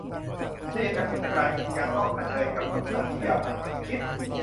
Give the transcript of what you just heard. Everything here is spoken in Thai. ถ้าทำกิจการยังต้องเผชิญกับคำสั่งที่ยาวนานกว่าที่คิด